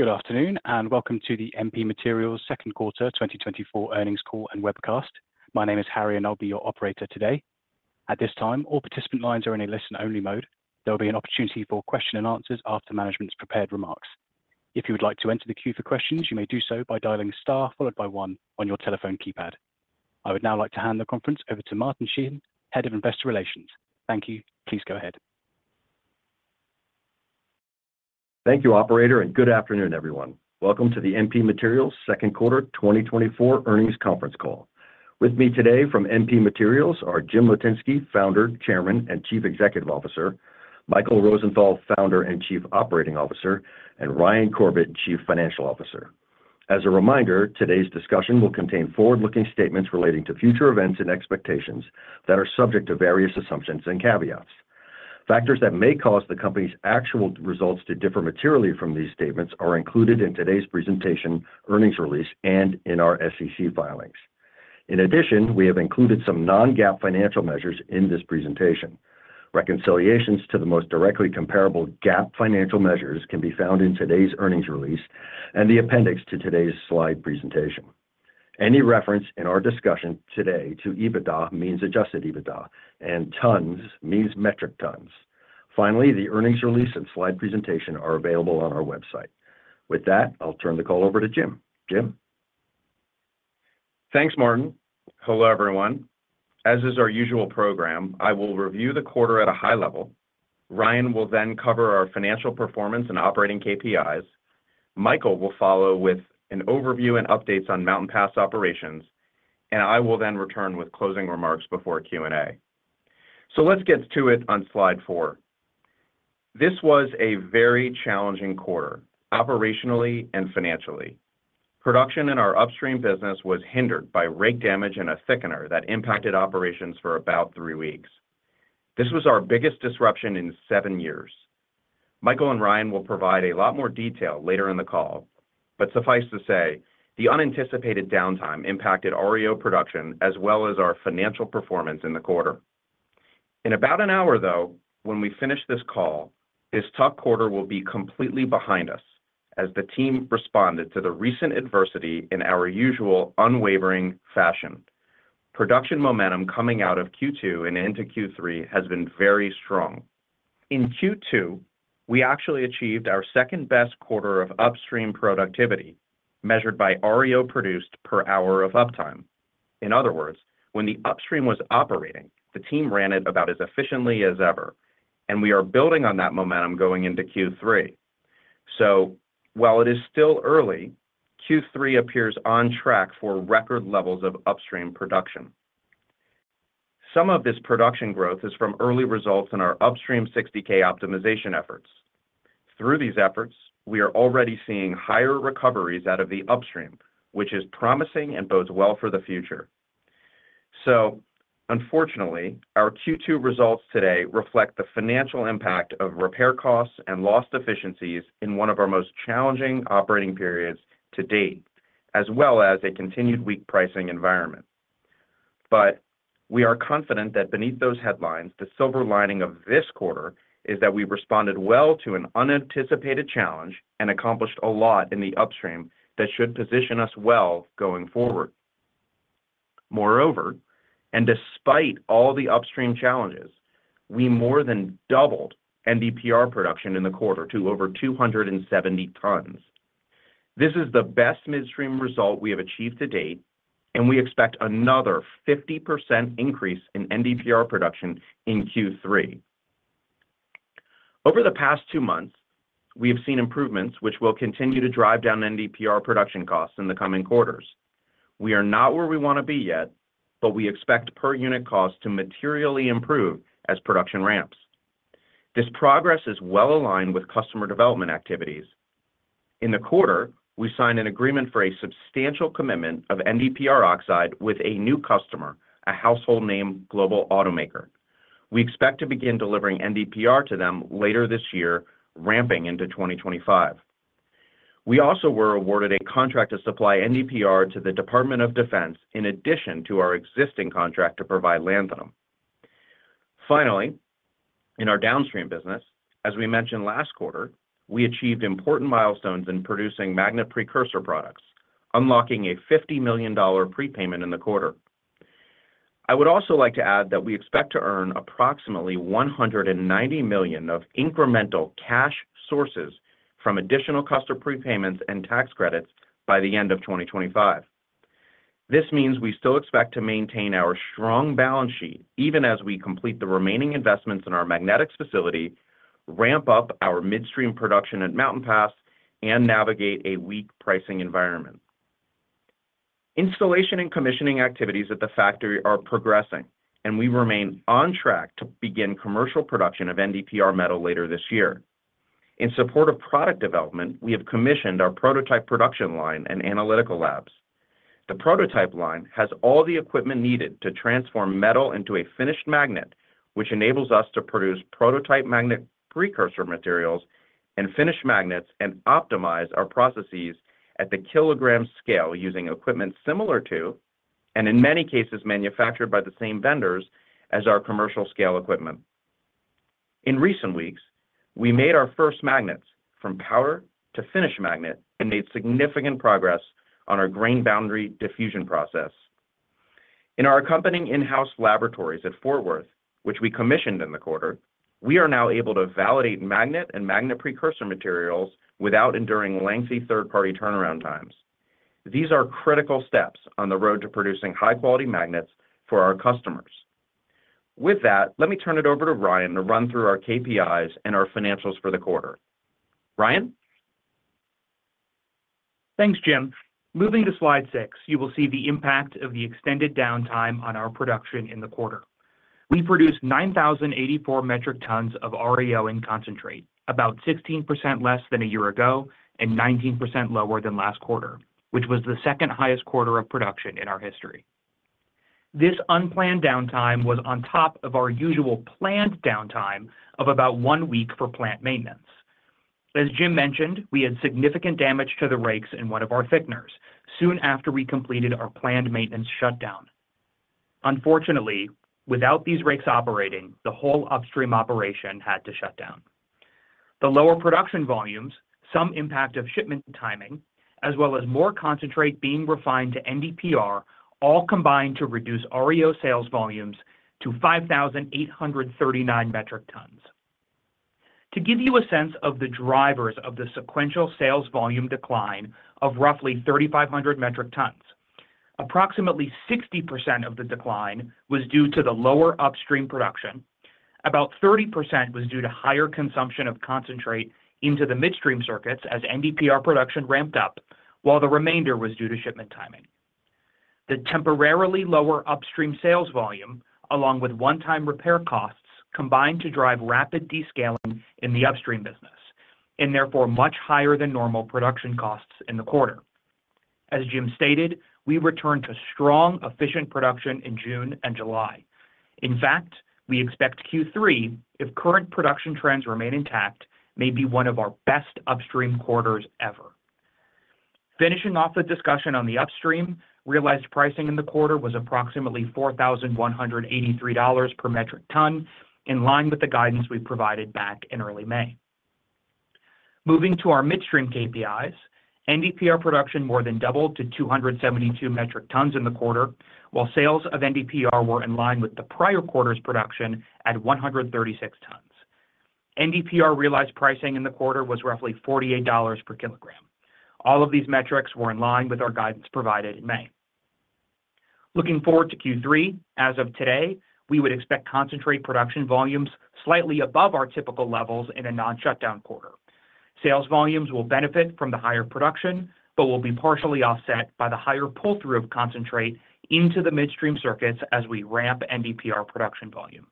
Good afternoon, and welcome to the MP Materials Q2 2024 earnings call and webcast. My name is Harry, and I'll be your operator today. At this time, all participant lines are in a listen-only mode. There will be an opportunity for question and answers after management's prepared remarks. If you would like to enter the queue for questions, you may do so by dialing star, followed by 1 on your telephone keypad. I would now like to hand the conference over to Martin Sheehan, Head of Investor Relations. Thank you. Please go ahead. Thank you, operator, and good afternoon, everyone. Welcome to the MP Materials Q2 2024 earnings conference call. With me today from MP Materials are Jim Litinsky, Founder, Chairman, and Chief Executive Officer, Michael Rosenthal, Founder and Chief Operating Officer, and Ryan Corbett, Chief Financial Officer. As a reminder, today's discussion will contain forward-looking statements relating to future events and expectations that are subject to various assumptions and caveats. Factors that may cause the company's actual results to differ materially from these statements are included in today's presentation, earnings release, and in our SEC filings. In addition, we have included some non-GAAP financial measures in this presentation. Reconciliations to the most directly comparable GAAP financial measures can be found in today's earnings release and the appendix to today's slide presentation. Any reference in our discussion today to EBITDA means adjusted EBITDA and tons means metric tons. Finally, the earnings release and slide presentation are available on our website. With that, I'll turn the call over to Jim. Jim? Thanks, Martin. Hello, everyone. As is our usual program, I will review the quarter at a high level. Ryan will then cover our financial performance and operating KPIs. Michael will follow with an overview and updates on Mountain Pass operations, and I will then return with closing remarks before Q&A. So let's get to it on slide four. This was a very challenging quarter, operationally and financially. Production in our upstream business was hindered by rig damage and a thickener that impacted operations for about 3 weeks. This was our biggest disruption in 7 years. Michael and Ryan will provide a lot more detail later in the call, but suffice to say, the unanticipated downtime impacted REO production as well as our financial performance in the quarter. In about an hour, though, when we finish this call, this tough quarter will be completely behind us as the team responded to the recent adversity in our usual unwavering fashion. Production momentum coming out of Q2 and into Q3 has been very strong. In Q2, we actually achieved our second-best quarter of upstream productivity, measured by REO produced per hour of uptime. In other words, when the upstream was operating, the team ran it about as efficiently as ever, and we are building on that momentum going into Q3. So while it is still early, Q3 appears on track for record levels of upstream production. Some of this production growth is from early results in our Upstream 60K optimization efforts. Through these efforts, we are already seeing higher recoveries out of the upstream, which is promising and bodes well for the future. Unfortunately, our Q2 results today reflect the financial impact of repair costs and lost efficiencies in 1 of our most challenging operating periods to date, as well as a continued weak pricing environment. We are confident that beneath those headlines, the silver lining of this quarter is that we responded well to an unanticipated challenge and accomplished a lot in the upstream that should position us well going forward. Moreover, and despite all the upstream challenges, we more than doubled NdPr production in the quarter to over 270 tons. This is the best midstream result we have achieved to date, and we expect another 50% increase in NdPr production in Q3. Over the past 2 months, we have seen improvements which will continue to drive down NdPr production costs in the coming quarters. We are not where we want to be yet, but we expect per unit cost to materially improve as production ramps. This progress is well aligned with customer development activities. In the quarter, we signed an agreement for a substantial commitment of NdPr oxide with a new customer, a household name, global automaker. We expect to begin delivering NdPr to them later this year, ramping into 2025. We also were awarded a contract to supply NdPr to the Department of Defense, in addition to our existing contract to provide lanthanum. Finally, in our downstream business, as we mentioned last quarter, we achieved important milestones in producing magnet precursor products, unlocking a $50 million prepayment in the quarter. I would also like to add that we expect to earn approximately $190 million of incremental cash sources from additional customer prepayments and tax credits by the end of 2025. This means we still expect to maintain our strong balance sheet, even as we complete the remaining investments in our magnetics facility, ramp up our midstream production at Mountain Pass, and navigate a weak pricing environment. Installation and commissioning activities at the factory are progressing, and we remain on track to begin commercial production of NdPr metal later this year. In support of product development, we have commissioned our prototype production line and analytical labs. The prototype line has all the equipment needed to transform metal into a finished magnet, which enables us to produce prototype magnet precursor materials and finish magnets and optimize our processes at the kilogram scale, using equipment similar to, and in many cases, manufactured by the same vendors as our commercial scale equipment. In recent weeks, we made our first magnets from powder to finished magnet and made significant progress on our grain boundary diffusion process. In our accompanying in-house laboratories at Fort Worth, which we commissioned in the quarter, we are now able to validate magnet and magnet precursor materials without enduring lengthy third-party turnaround times. These are critical steps on the road to producing high-quality magnets for our customers. With that, let me turn it over to Ryan to run through our KPIs and our financials for the quarter. Ryan? Thanks, Jim. Moving to slide six, you will see the impact of the extended downtime on our production in the quarter. We produced 9,084 metric tons of REO and concentrate, about 16% less than a year ago and 19% lower than last quarter, which was the second-highest quarter of production in our history. This unplanned downtime was on top of our usual planned downtime of about one week for plant maintenance. As Jim mentioned, we had significant damage to the rakes in one of our thickeners soon after we completed our planned maintenance shutdown. Unfortunately, without these rakes operating, the whole upstream operation had to shut down. The lower production volumes, some impact of shipment timing, as well as more concentrate being refined to NdPr, all combined to reduce REO sales volumes to 5,839 metric tons. To give you a sense of the drivers of the sequential sales volume decline of roughly 3,500 metric tons, approximately 60% of the decline was due to the lower upstream production. About 30% was due to higher consumption of concentrate into the midstream circuits as NdPr production ramped up, while the remainder was due to shipment timing. The temporarily lower upstream sales volume, along with one-time repair costs, combined to drive rapid descaling in the upstream business, and therefore much higher than normal production costs in the quarter. As Jim stated, we returned to strong, efficient production in June and July. In fact, we expect Q3, if current production trends remain intact, may be one of our best upstream quarters ever. Finishing off the discussion on the upstream, realized pricing in the quarter was approximately $4,183 per metric ton, in line with the guidance we provided back in early May. Moving to our midstream KPIs, NdPr production more than doubled to 272 metric tons in the quarter, while sales of NdPr were in line with the prior quarter's production at 136 tons. NdPr realized pricing in the quarter was roughly $48 per kilogram. All of these metrics were in line with our guidance provided in May. Looking forward to Q3, as of today, we would expect concentrate production volumes slightly above our typical levels in a non-shutdown quarter. Sales volumes will benefit from the higher production, but will be partially offset by the higher pull-through of concentrate into the midstream circuits as we ramp NdPr production volume,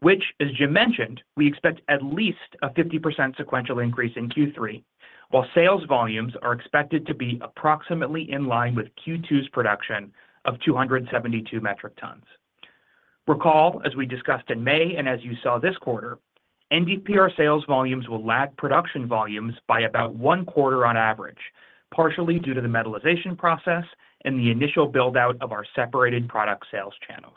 which, as Jim mentioned, we expect at least a 50% sequential increase in Q3, while sales volumes are expected to be approximately in line with Q2's production of 272 metric tons. Recall, as we discussed in May, and as you saw this quarter, NdPr sales volumes will lag production volumes by about one quarter on average, partially due to the metallization process and the initial build-out of our separated product sales channels.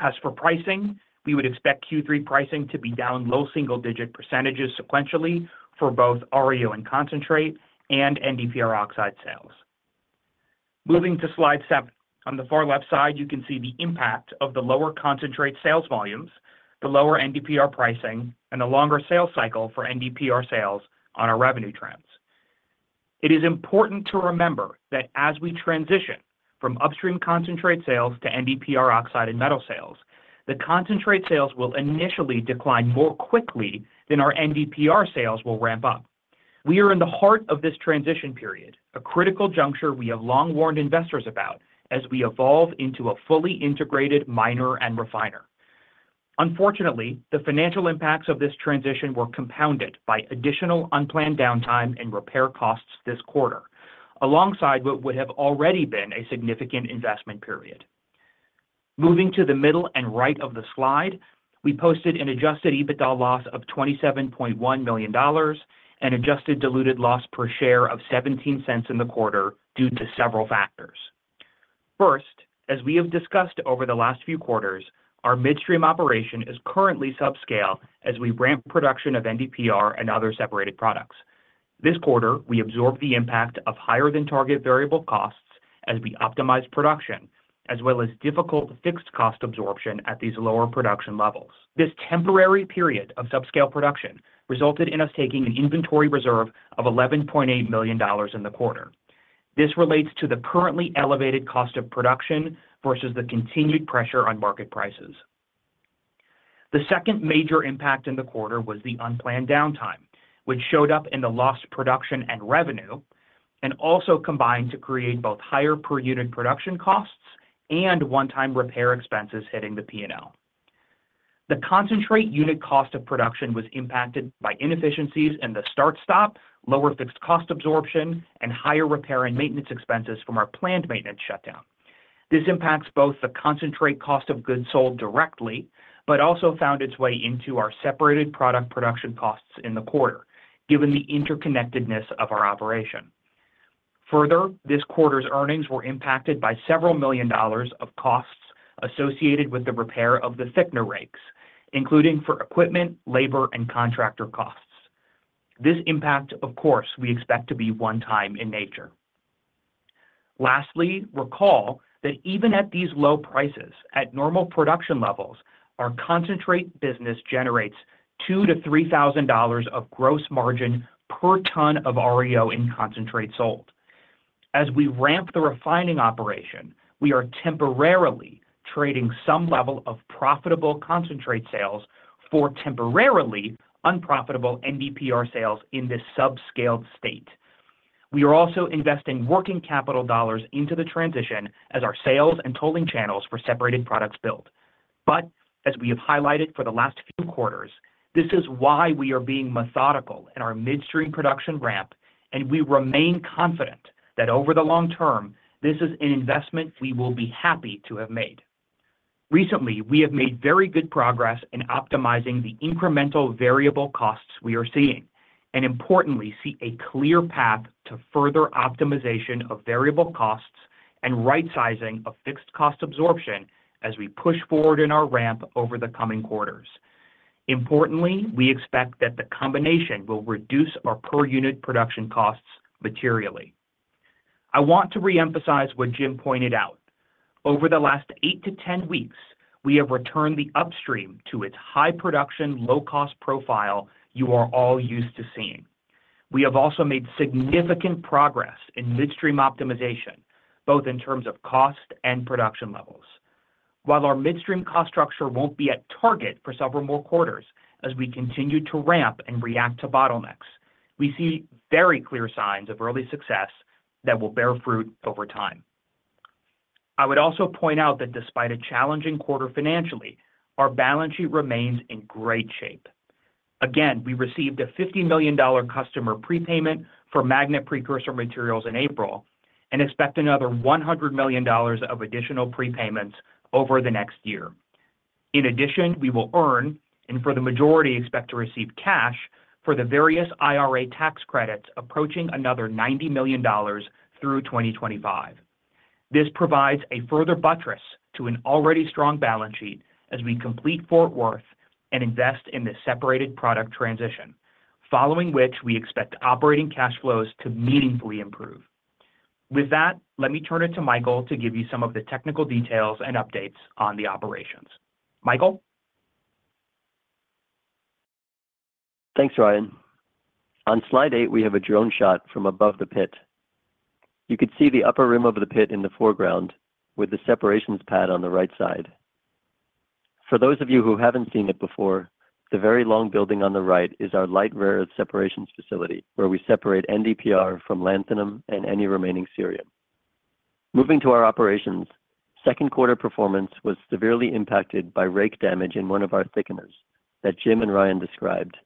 As for pricing, we would expect Q3 pricing to be down low single-digit % sequentially for both REO and concentrate and NdPr oxide sales. Moving to slide seven. On the far left side, you can see the impact of the lower concentrate sales volumes, the lower NdPr pricing, and the longer sales cycle for NdPr sales on our revenue trends. It is important to remember that as we transition from upstream concentrate sales to NdPr oxide and metal sales, the concentrate sales will initially decline more quickly than our NdPr sales will ramp up. We are in the heart of this transition period, a critical juncture we have long warned investors about as we evolve into a fully integrated miner and refiner. Unfortunately, the financial impacts of this transition were compounded by additional unplanned downtime and repair costs this quarter, alongside what would have already been a significant investment period. Moving to the middle and right of the slide, we posted an Adjusted EBITDA loss of $27.1 million and adjusted diluted loss per share of $0.17 in the quarter due to several factors. First, as we have discussed over the last few quarters, our midstream operation is currently subscale as we ramp production of NdPr and other separated products. This quarter, we absorbed the impact of higher than target variable costs as we optimized production, as well as difficult fixed cost absorption at these lower production levels. This temporary period of subscale production resulted in us taking an inventory reserve of $11.8 million in the quarter. This relates to the currently elevated cost of production versus the continued pressure on market prices. The second major impact in the quarter was the unplanned downtime, which showed up in the lost production and revenue, and also combined to create both higher per unit production costs and one-time repair expenses hitting the P&L. The concentrate unit cost of production was impacted by inefficiencies in the start, stop, lower fixed cost absorption, and higher repair and maintenance expenses from our planned maintenance shutdown. This impacts both the concentrate cost of goods sold directly, but also found its way into our separated product production costs in the quarter, given the interconnectedness of our operation. Further, this quarter's earnings were impacted by $several million of costs associated with the repair of the thickener rakes, including for equipment, labor, and contractor costs. This impact, of course, we expect to be one-time in nature. Lastly, recall that even at these low prices, at normal production levels, our concentrate business generates $2,000-$3,000 of gross margin per ton of REO in concentrate sold. As we ramp the refining operation, we are temporarily trading some level of profitable concentrate sales for temporarily unprofitable NdPr sales in this sub-scaled state. We are also investing working capital dollars into the transition as our sales and tolling channels for separated products build. But as we have highlighted for the last few quarters, this is why we are being methodical in our midstream production ramp, and we remain confident that over the long term, this is an investment we will be happy to have made. Recently, we have made very good progress in optimizing the incremental variable costs we are seeing, and importantly, see a clear path to further optimization of variable costs and right-sizing of fixed cost absorption as we push forward in our ramp over the coming quarters. Importantly, we expect that the combination will reduce our per-unit production costs materially. I want to reemphasize what Jim pointed out. Over the last 8-10 weeks, we have returned the upstream to its high production, low-cost profile you are all used to seeing. We have also made significant progress in midstream optimization, both in terms of cost and production levels. While our midstream cost structure won't be at target for several more quarters as we continue to ramp and react to bottlenecks, we see very clear signs of early success that will bear fruit over time. I would also point out that despite a challenging quarter financially, our balance sheet remains in great shape. Again, we received a $50 million customer prepayment for magnet precursor materials in April and expect another $100 million of additional prepayments over the next year. In addition, we will earn, and for the majority, expect to receive cash for the various IRA tax credits, approaching another $90 million through 2025. This provides a further buttress to an already strong balance sheet as we complete Fort Worth and invest in the separated product transition, following which we expect operating cash flows to meaningfully improve. With that, let me turn it to Michael to give you some of the technical details and updates on the operations. Michael? Thanks, Ryan. On slide eight, we have a drone shot from above the pit. You could see the upper rim of the pit in the foreground with the separations pad on the right side. For those of you who haven't seen it before, the very long building on the right is our light rare earth separations facility, where we separate NdPr from lanthanum and any remaining cerium. Moving to our operations. Second quarter performance was severely impacted by rake damage in one of our thickeners that Jim and Ryan described.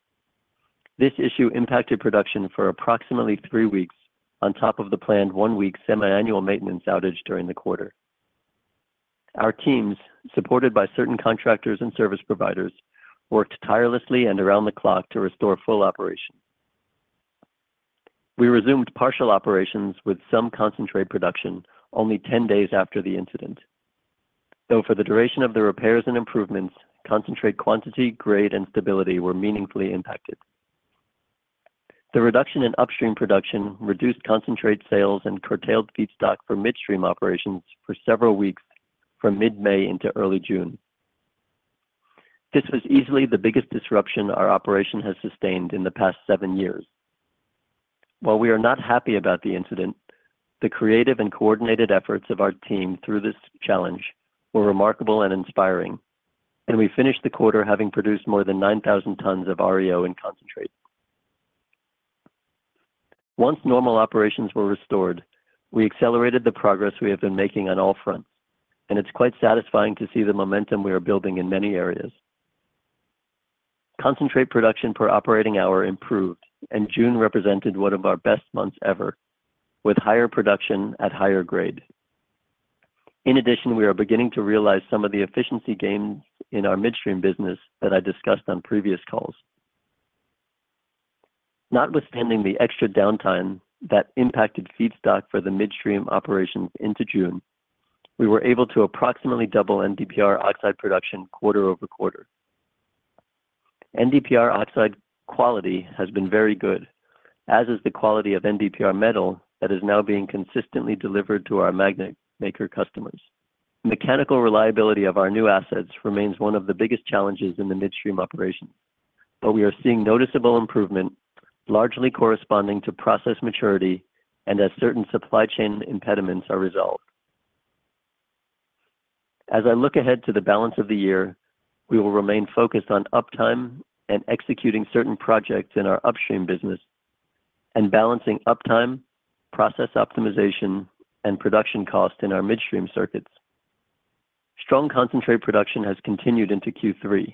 This issue impacted production for approximately 3 weeks on top of the planned 1-week semiannual maintenance outage during the quarter. Our teams, supported by certain contractors and service providers, worked tirelessly and around the clock to restore full operation. We resumed partial operations with some concentrate production only 10 days after the incident. Though for the duration of the repairs and improvements, concentrate quantity, grade, and stability were meaningfully impacted. The reduction in upstream production reduced concentrate sales and curtailed feedstock for midstream operations for several weeks from mid-May into early June. This was easily the biggest disruption our operation has sustained in the past seven years. While we are not happy about the incident, the creative and coordinated efforts of our team through this challenge were remarkable and inspiring, and we finished the quarter having produced more than 9,000 tons of REO in concentrate. Once normal operations were restored, we accelerated the progress we have been making on all fronts, and it's quite satisfying to see the momentum we are building in many areas. Concentrate production per operating hour improved, and June represented one of our best months ever, with higher production at higher grade. In addition, we are beginning to realize some of the efficiency gains in our midstream business that I discussed on previous calls. Notwithstanding the extra downtime that impacted feedstock for the midstream operations into June, we were able to approximately double NdPr oxide production quarter-over-quarter. NdPr oxide quality has been very good, as is the quality of NdPr metal that is now being consistently delivered to our magnet maker customers. Mechanical reliability of our new assets remains one of the biggest challenges in the midstream operation, but we are seeing noticeable improvement, largely corresponding to process maturity and as certain supply chain impediments are resolved. As I look ahead to the balance of the year, we will remain focused on uptime and executing certain projects in our upstream business and balancing uptime, process optimization, and production cost in our midstream circuits. Strong concentrate production has continued into Q3.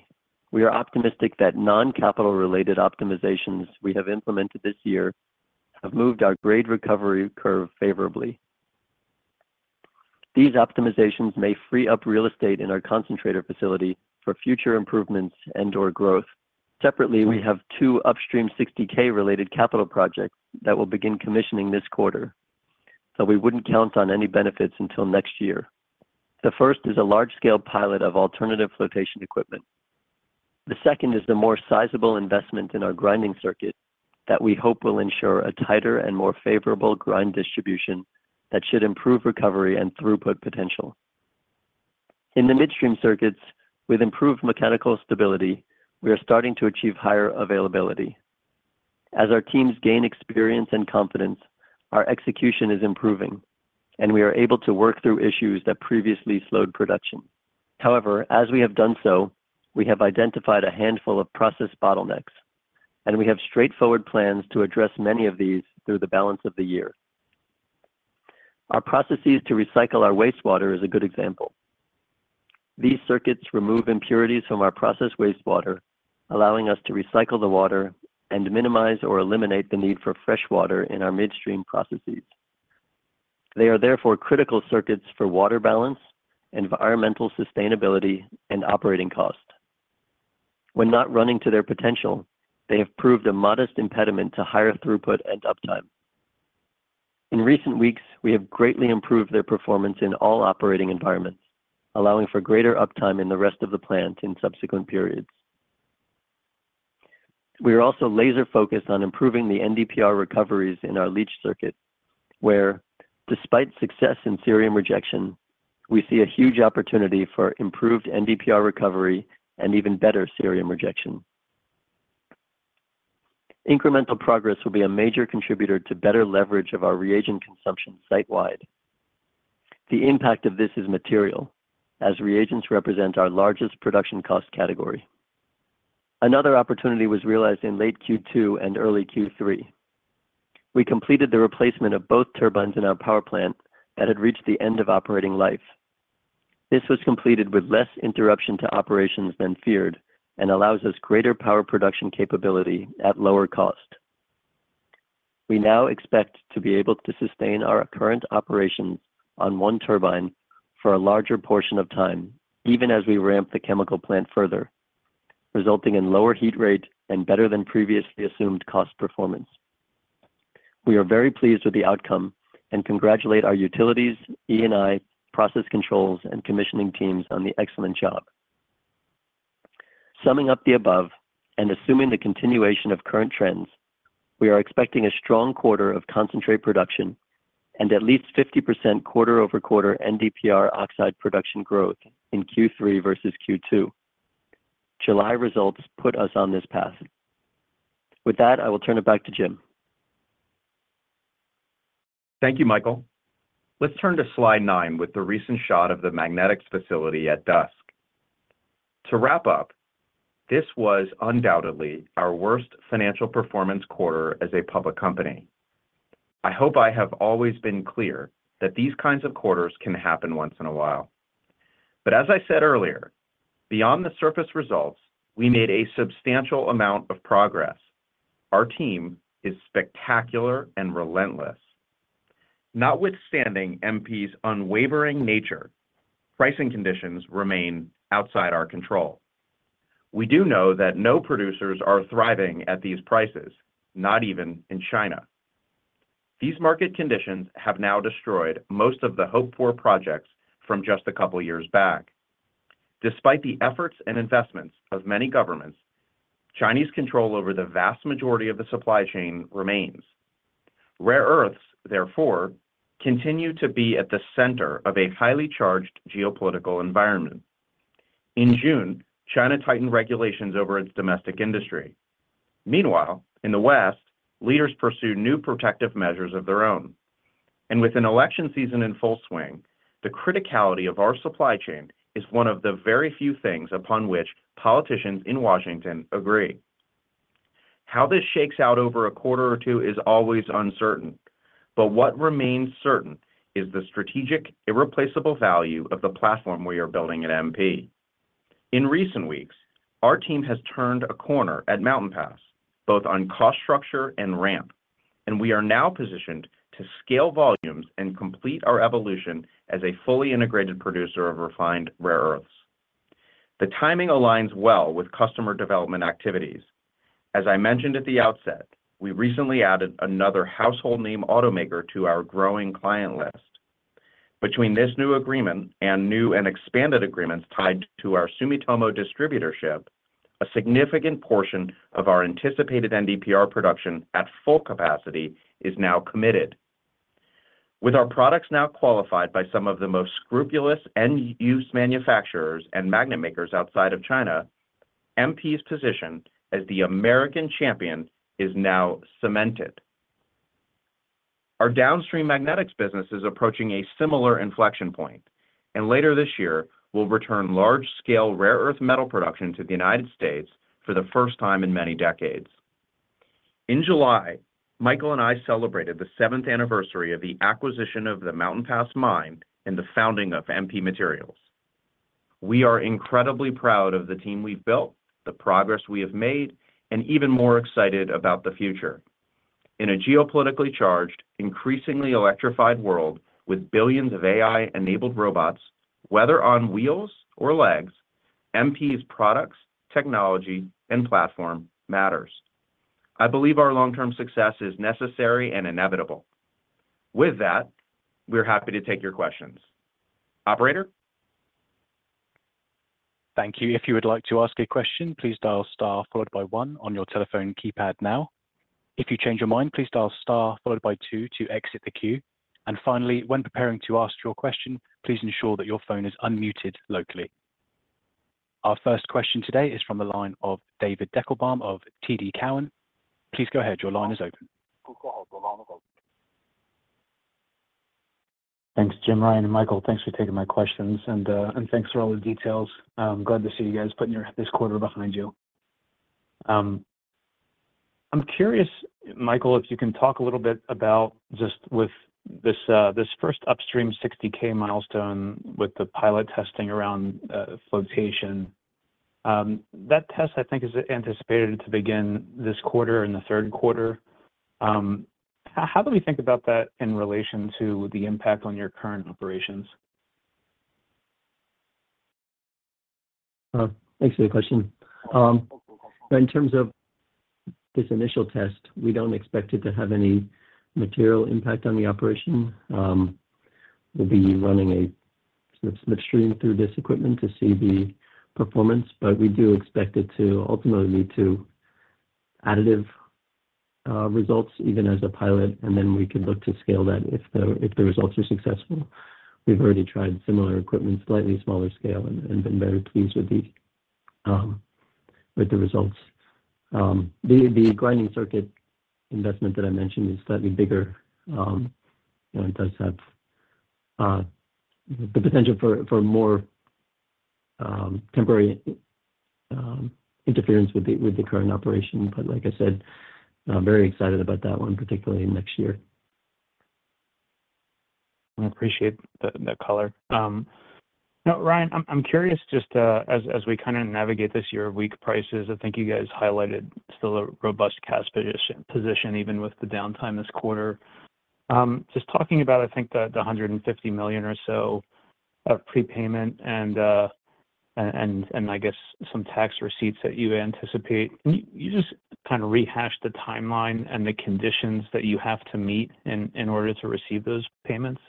We are optimistic that non-capital related optimizations we have implemented this year have moved our grade recovery curve favorably. These optimizations may free up real estate in our concentrator facility for future improvements and or growth. Separately, we have two Upstream 60K-related capital projects that will begin commissioning this quarter, but we wouldn't count on any benefits until next year. The first is a large-scale pilot of alternative flotation equipment. The second is the more sizable investment in our grinding circuit that we hope will ensure a tighter and more favorable grind distribution that should improve recovery and throughput potential. In the midstream circuits, with improved mechanical stability, we are starting to achieve higher availability. As our teams gain experience and confidence, our execution is improving, and we are able to work through issues that previously slowed production. However, as we have done so, we have identified a handful of process bottlenecks, and we have straightforward plans to address many of these through the balance of the year. Our processes to recycle our wastewater is a good example. These circuits remove impurities from our process wastewater, allowing us to recycle the water and minimize or eliminate the need for fresh water in our midstream processes. They are therefore critical circuits for water balance, environmental sustainability and operating cost. When not running to their potential, they have proved a modest impediment to higher throughput and uptime. In recent weeks, we have greatly improved their performance in all operating environments, allowing for greater uptime in the rest of the plant in subsequent periods. We are also laser-focused on improving the NdPr recoveries in our leach circuit, where, despite success in cerium rejection, we see a huge opportunity for improved NdPr recovery and even better cerium rejection. Incremental progress will be a major contributor to better leverage of our reagent consumption site-wide. The impact of this is material, as reagents represent our largest production cost category. Another opportunity was realized in late Q2 and early Q3. We completed the replacement of both turbines in our power plant that had reached the end of operating life. This was completed with less interruption to operations than feared and allows us greater power production capability at lower cost. We now expect to be able to sustain our current operations on one turbine for a larger portion of time, even as we ramp the chemical plant further, resulting in lower heat rate and better than previously assumed cost performance. We are very pleased with the outcome and congratulate our utilities, E&II, process controls, and commissioning teams on the excellent job. Summing up the above and assuming the continuation of current trends, we are expecting a strong quarter of concentrate production and at least 50% quarter-over-quarter NdPr oxide production growth in Q3 versus Q2. July results put us on this path. With that, I will turn it back to Jim. Thank you, Michael. Let's turn to slide nine with the recent shot of the magnetics facility at dusk. To wrap up, this was undoubtedly our worst financial performance quarter as a public company. I hope I have always been clear that these kinds of quarters can happen once in a while. But as I said earlier, beyond the surface results, we made a substantial amount of progress. Our team is spectacular and relentless. Notwithstanding MP's unwavering nature, pricing conditions remain outside our control. We do know that no producers are thriving at these prices, not even in China. These market conditions have now destroyed most of the hoped-for projects from just a couple of years back. Despite the efforts and investments of many governments, Chinese control over the vast majority of the supply chain remains. Rare earths, therefore, continue to be at the center of a highly charged geopolitical environment. In June, China tightened regulations over its domestic industry. Meanwhile, in the West, leaders pursue new protective measures of their own. With an election season in full swing, the criticality of our supply chain is one of the very few things upon which politicians in Washington agree. How this shakes out over a quarter or two is always uncertain, but what remains certain is the strategic, irreplaceable value of the platform we are building at MP. In recent weeks, our team has turned a corner at Mountain Pass, both on cost structure and ramp, and we are now positioned to scale volumes and complete our evolution as a fully integrated producer of refined rare earths. The timing aligns well with customer development activities. As I mentioned at the outset, we recently added another household name automaker to our growing client list. Between this new agreement and new and expanded agreements tied to our Sumitomo distributorship, a significant portion of our anticipated NdPr production at full capacity is now committed. With our products now qualified by some of the most scrupulous end-use manufacturers and magnet makers outside of China, MP's position as the American champion is now cemented. Our downstream magnetics business is approaching a similar inflection point, and later this year will return large-scale rare earth metal production to the United States for the first time in many decades. In July, Michael and I celebrated the seventh anniversary of the acquisition of the Mountain Pass Mine and the founding of MP Materials. We are incredibly proud of the team we've built, the progress we have made, and even more excited about the future. In a geopolitically charged, increasingly electrified world with billions of AI-enabled robots, whether on wheels or legs, MP's products, technology, and platform matters. I believe our long-term success is necessary and inevitable. With that, we're happy to take your questions. Operator? Thank you. If you would like to ask a question, please dial star followed by one on your telephone keypad now. If you change your mind, please dial star followed by two to exit the queue. And finally, when preparing to ask your question, please ensure that your phone is unmuted locally. Our first question today is from the line of David Deckelbaum of TD Cowen. Please go ahead. Your line is open. Thanks, Jim, Ryan, and Michael. Thanks for taking my questions, and, and thanks for all the details. I'm glad to see you guys putting your-- this quarter behind you. I'm curious, Michael, if you can talk a little bit about just with this, this first Upstream 60K milestone with the pilot testing around, flotation. That test, I think, is anticipated to begin this quarter, in the Q3. How do we think about that in relation to the impact on your current operations? Thanks for the question. In terms of this initial test, we don't expect it to have any material impact on the operation. We'll be running a sort of split stream through this equipment to see the performance, but we do expect it to ultimately lead to additive results, even as a pilot, and then we can look to scale that if the results are successful. We've already tried similar equipment, slightly smaller scale, and been very pleased with the results. The grinding circuit investment that I mentioned is slightly bigger, and does have the potential for more temporary interference with the current operation. But like I said, I'm very excited about that one, particularly next year. I appreciate the color. Now, Ryan, I'm curious, just as we kind of navigate this year of weak prices, I think you guys highlighted still a robust cash position, even with the downtime this quarter. Just talking about, I think, the $150 million or so of prepayment and I guess some tax receipts that you anticipate. Can you just kind of rehash the timeline and the conditions that you have to meet in order to receive those payments?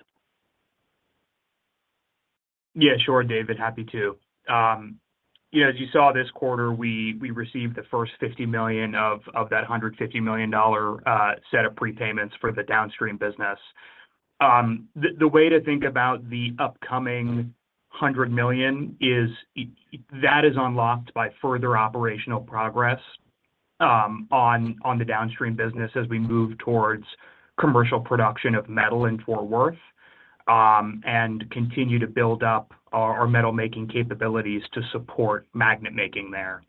Yeah, sure, David. Happy to. Yeah, as you saw this quarter, we, we received the first $50 million of, of that $150 million set of prepayments for the downstream business. The, the way to think about the upcoming $100 million is it that is unlocked by further operational progress, on, on the downstream business as we move towards commercial production of metal in Fort Worth, and continue to build up our, our metalmaking capabilities to support magnet-making there.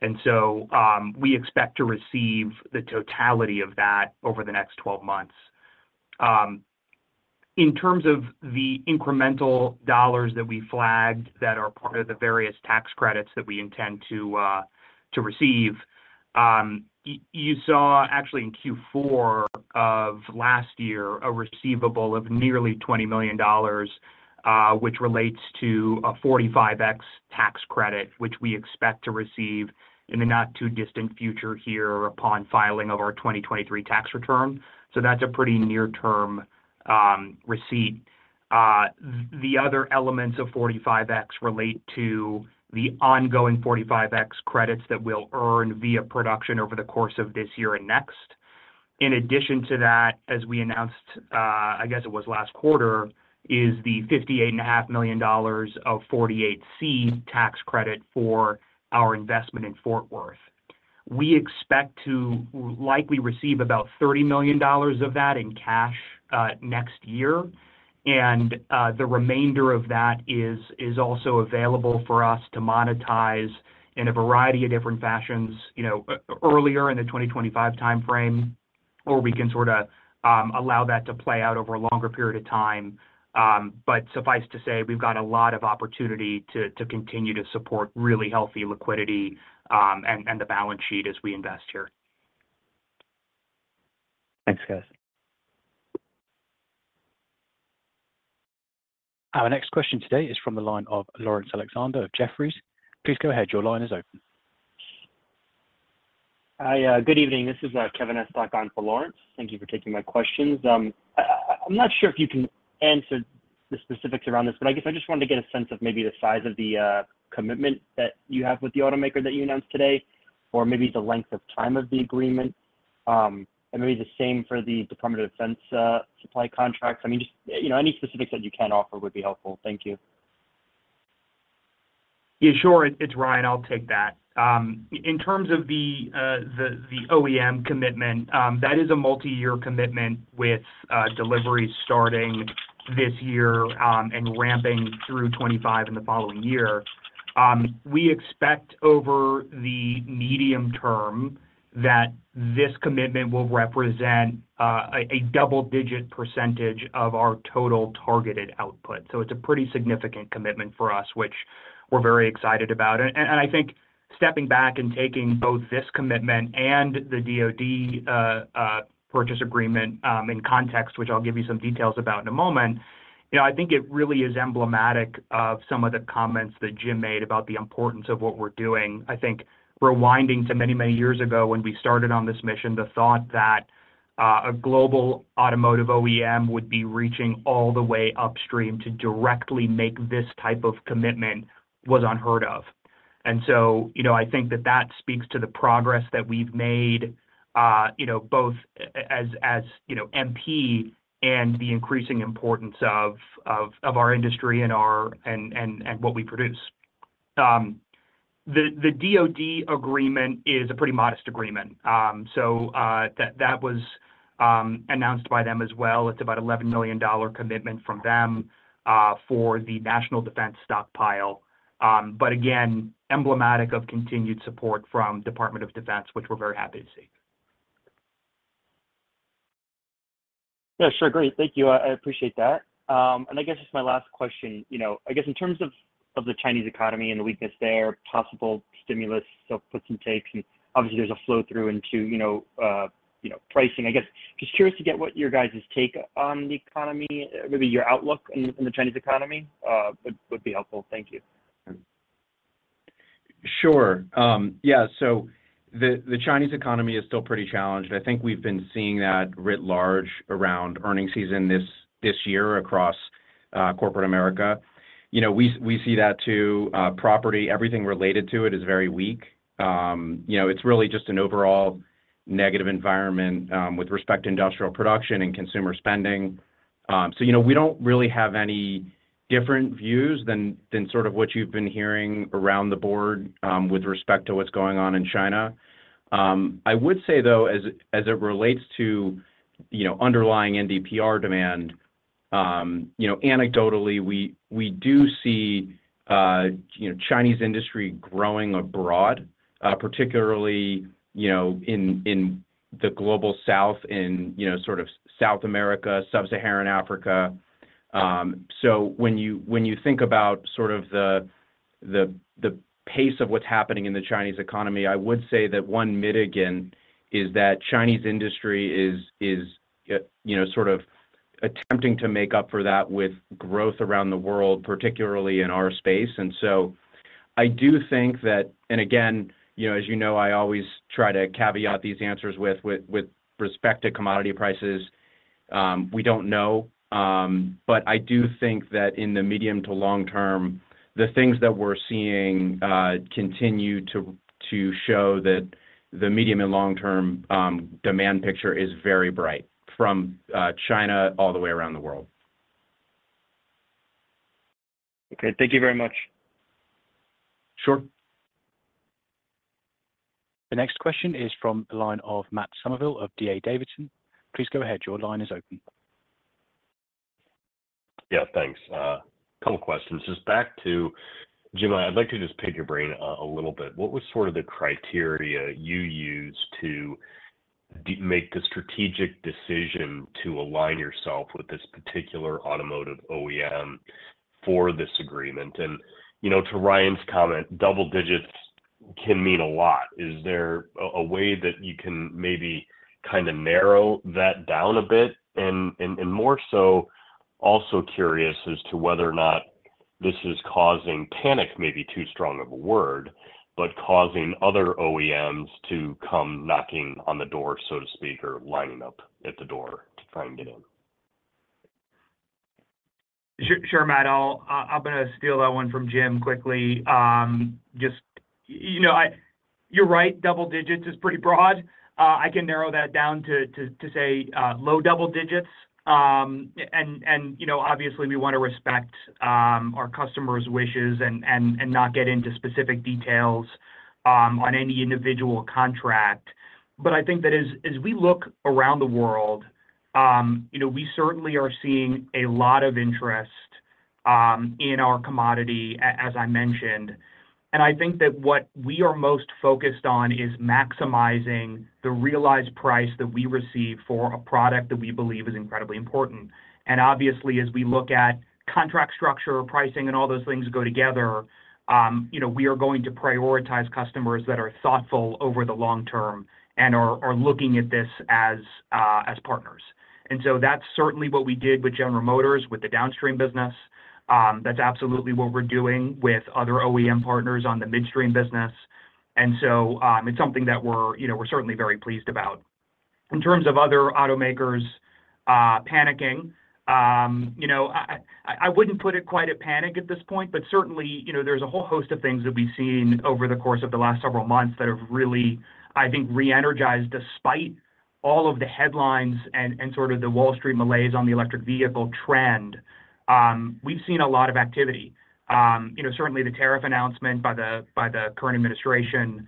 And so, we expect to receive the totality of that over the next 12 months. In terms of the incremental dollars that we flagged that are part of the various tax credits that we intend to receive, you saw, actually, in Q4 of last year, a receivable of nearly $20 million, which relates to a 45X tax credit, which we expect to receive in the not-too-distant future here upon filing of our 2023 tax return. So that's a pretty near-term receipt. The other elements of 45X relate to the ongoing 45X credits that we'll earn via production over the course of this year and next. In addition to that, as we announced, I guess it was last quarter, is the $58.5 million of 48C tax credit for our investment in Fort Worth. We expect to likely receive about $30 million of that in cash next year, and the remainder of that is also available for us to monetize in a variety of different fashions, you know, earlier in the 2025 timeframe, or we can sort of allow that to play out over a longer period of time. But suffice to say, we've got a lot of opportunity to continue to support really healthy liquidity, and the balance sheet as we invest here. Thanks, guys. Our next question today is from the line of Lawrence Alexander of Jefferies. Please go ahead. Your line is open. Hi, good evening. This is Kevin Estok on for Lawrence. Thank you for taking my questions. I'm not sure if you can answer the specifics around this, but I guess I just wanted to get a sense of maybe the size of the commitment that you have with the automaker that you announced today, or maybe the length of time of the agreement, and maybe the same for the Department of Defense supply contracts. I mean, just, you know, any specifics that you can offer would be helpful. Thank you. Yeah, sure. It's Ryan, I'll take that. In terms of the OEM commitment, that is a multi-year commitment with delivery starting this year, and ramping through 25 and the following year. We expect over the medium term that this commitment will represent a double-digit percentage of our total targeted output. So it's a pretty significant commitment for us, which we're very excited about it. And I think stepping back and taking both this commitment and the DoD purchase agreement in context, which I'll give you some details about in a moment, you know, I think it really is emblematic of some of the comments that Jim made about the importance of what we're doing. I think rewinding to many, many years ago when we started on this mission, the thought that a global automotive OEM would be reaching all the way upstream to directly make this type of commitment was unheard of. And so, you know, I think that that speaks to the progress that we've made, you know, both as, as you know, MP and the increasing importance of our industry and our and what we produce. The DoD agreement is a pretty modest agreement. So, that was announced by them as well. It's about a $11 million commitment from them for the national defense stockpile. But again, emblematic of continued support from Department of Defense, which we're very happy to see. Yeah, sure. Great. Thank you. I appreciate that. And I guess it's my last question, you know. I guess in terms of the Chinese economy and the weakness there, possible stimulus, so puts and takes, and obviously, there's a flow-through into, you know, you know, pricing. I guess, just curious to get what your guys' take on the economy, maybe your outlook on the Chinese economy, would be helpful. Thank you. Sure. Yeah, so the Chinese economy is still pretty challenged. I think we've been seeing that writ large around earnings season this year across corporate America. You know, we see that too, property, everything related to it is very weak. You know, it's really just an overall negative environment with respect to industrial production and consumer spending. So, you know, we don't really have any different views than sort of what you've been hearing around the board with respect to what's going on in China. I would say, though, as it relates to underlying NdPr demand, you know, anecdotally, we do see Chinese industry growing abroad, particularly in the global south, in sort of South America, Sub-Saharan Africa. So when you think about sort of the pace of what's happening in the Chinese economy, I would say that one mitigant is that Chinese industry is, you know, sort of attempting to make up for that with growth around the world, particularly in our space. And so I do think that, and again, you know, as you know, I always try to caveat these answers with respect to commodity prices, we don't know, but I do think that in the medium to long term, the things that we're seeing continue to show that the medium and long-term demand picture is very bright, from China all the way around the world. Okay. Thank you very much. Sure. The next question is from the line of Matt Summerville of D.A. Davidson. Please go ahead. Your line is open. Yeah, thanks. A couple of questions. Just back to Jim, I'd like to just pick your brain a little bit. What was sort of the criteria you used to make the strategic decision to align yourself with this particular automotive OEM for this agreement? And, you know, to Ryan's comment, double digits can mean a lot. Is there a way that you can maybe kind of narrow that down a bit? And more so, also curious as to whether or not this is causing, panic may be too strong of a word, but causing other OEMs to come knocking on the door, so to speak, or lining up at the door to find it in. Sure, Matt. I'll, I'm gonna steal that one from Jim quickly. Just, you know, you're right, double digits is pretty broad. I can narrow that down to say low double digits. And, you know, obviously, we want to respect our customer's wishes and not get into specific details on any individual contract. But I think that as we look around the world, you know, we certainly are seeing a lot of interest in our commodity, as I mentioned, and I think that what we are most focused on is maximizing the realized price that we receive for a product that we believe is incredibly important. Obviously, as we look at contract structure, pricing, and all those things go together, you know, we are going to prioritize customers that are thoughtful over the long term and are looking at this as partners. So that's certainly what we did with General Motors, with the downstream business. That's absolutely what we're doing with other OEM partners on the midstream business. So it's something that we're, you know, we're certainly very pleased about. In terms of other automakers panicking, you know, I wouldn't put it quite a panic at this point, but certainly, you know, there's a whole host of things that we've seen over the course of the last several months that have really, I think, reenergized, despite all of the headlines and sort of the Wall Street malaise on the electric vehicle trend. We've seen a lot of activity. You know, certainly the tariff announcement by the, by the current administration,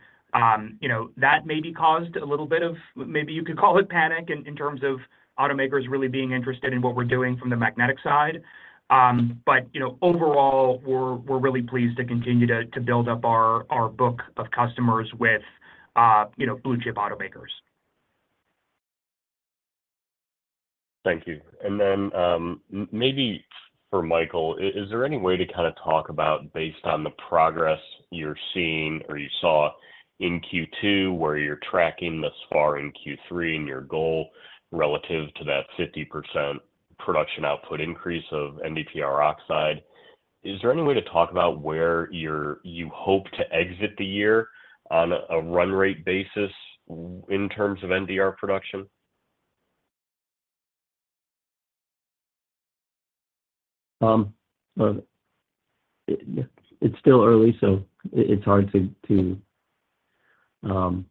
you know, that maybe caused a little bit of, maybe you could call it panic in, in terms of automakers really being interested in what we're doing from the magnetic side. But, you know, overall, we're, we're really pleased to continue to, to build up our, our book of customers with, you know, blue-chip automakers. Thank you. And then, maybe for Michael, is there any way to kind of talk about, based on the progress you're seeing or you saw in Q2, where you're tracking thus far in Q3 and your goal relative to that 50% production output increase of NdPr oxide? Is there any way to talk about where you hope to exit the year on a run rate basis in terms of NdPr production? Well, it's still early, so it's hard to, to, you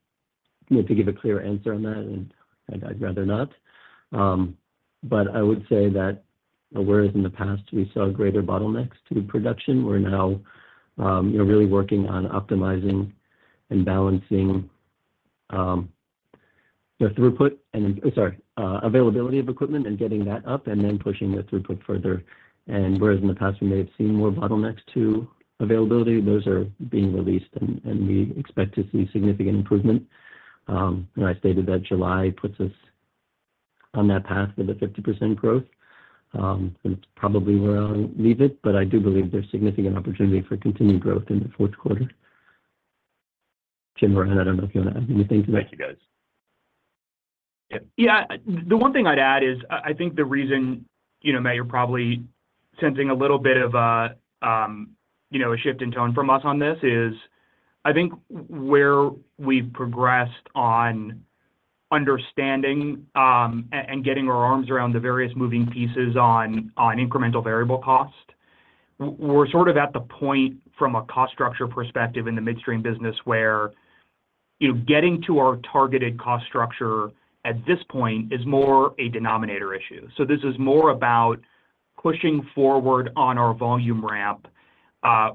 know, to give a clear answer on that, and, and I'd rather not. But I would say that whereas in the past we saw greater bottlenecks to production, we're now, you know, really working on optimizing and balancing the throughput and availability of equipment and getting that up, and then pushing the throughput further. And whereas in the past we may have seen more bottlenecks to availability, those are being released, and, and we expect to see significant improvement. And I stated that July puts us on that path of the 50% growth. And it's probably where I'll leave it, but I do believe there's significant opportunity for continued growth in the Q4. Jim or Ryan, I don't know if you want to add anything to that. Thank you, guys. Yeah. The one thing I'd add is I think the reason, you know, Matt, you're probably sensing a little bit of a, you know, a shift in tone from us on this is, I think where we've progressed on understanding and getting our arms around the various moving pieces on incremental variable cost, we're sort of at the point from a cost structure perspective in the midstream business, where, you know, getting to our targeted cost structure at this point is more a denominator issue. So this is more about pushing forward on our volume ramp,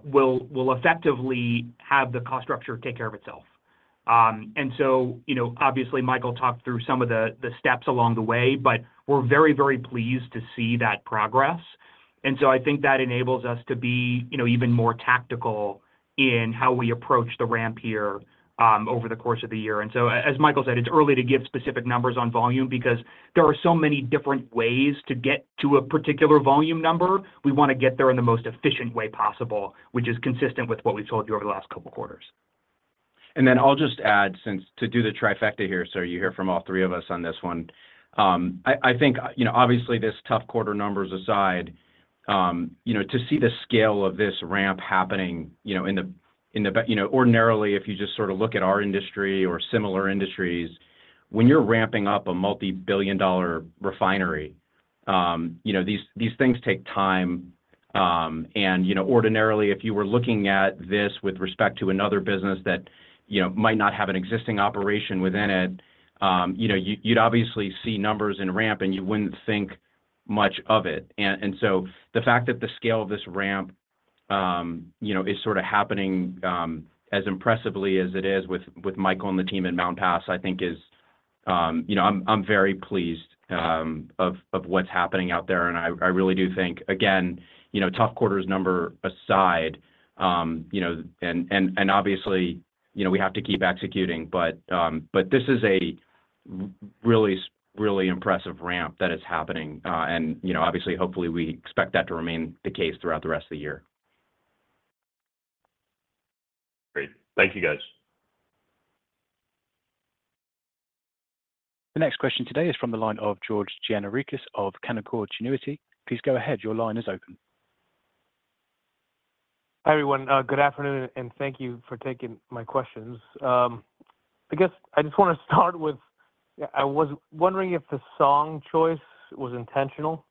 we'll effectively have the cost structure take care of itself. And so, you know, obviously, Michael talked through some of the steps along the way, but we're very, very pleased to see that progress. And so I think that enables us to be, you know, even more tactical in how we approach the ramp here, over the course of the year. And so as Michael said, it's early to give specific numbers on volume because there are so many different ways to get to a particular volume number. We want to get there in the most efficient way possible, which is consistent with what we've told you over the last couple of quarters. And then I'll just add, since to do the trifecta here, so you hear from all three of us on this one. I think, you know, obviously, this tough quarter numbers aside, you know, to see the scale of this ramp happening, you know, ordinarily, if you just sort of look at our industry or similar industries, when you're ramping up a multi-billion-dollar refinery, you know, these things take time. And, you know, ordinarily, if you were looking at this with respect to another business that, you know, might not have an existing operation within it, you know, you'd obviously see numbers in ramp, and you wouldn't think much of it. And so the fact that the scale of this ramp, you know, is sort of happening as impressively as it is with Michael and the team at Mountain Pass, I think is. You know, I'm very pleased of what's happening out there, and I really do think, again, you know, tough quarters number aside, you know, and obviously, you know, we have to keep executing. But this is a really, really impressive ramp that is happening. And, you know, obviously, hopefully, we expect that to remain the case throughout the rest of the year. Great. Thank you, guys. The next question today is from the line of George Gianarikas of Canaccord Genuity. Please go ahead. Your line is open. Hi, everyone. Good afternoon, and thank you for taking my questions. I guess I just want to start with - I was wondering if the song choice was intentional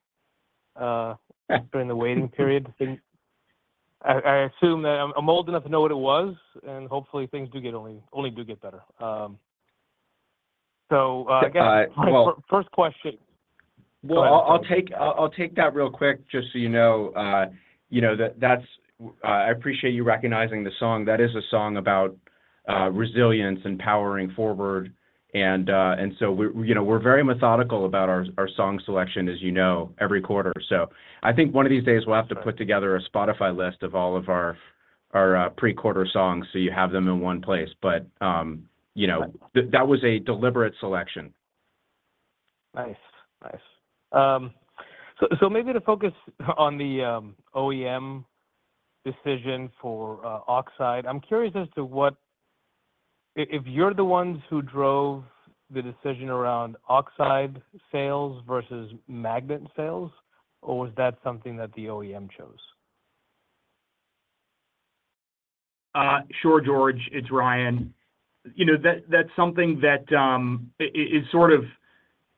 during the waiting period? I assume that I'm old enough to know what it was, and hopefully things do get only do get better. So, Uh, well- First question. So I'll take that real quick, just so you know, you know, that's. I appreciate you recognizing the song. That is a song about resilience and powering forward. And so we're, you know, we're very methodical about our song selection, as you know, every quarter. So I think one of these days we'll have to put together a Spotify list of all of our pre-quarter songs, so you have them in one place. But you know, that was a deliberate selection. Nice. Nice. So, so maybe to focus on the OEM decision for oxide. I'm curious as to what if you're the ones who drove the decision around oxide sales versus magnet sales, or was that something that the OEM chose? Sure, George, it's Ryan. You know, that, that's something that, it's sort of,